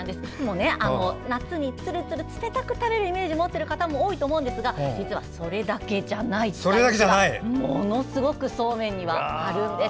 夏にツルツル冷たく食べるイメージを持っている方もいらっしゃると思うんですが実はそれだけじゃなくてそうめんにはいろいろあるんです。